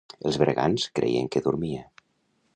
Els bergants creien que dormia…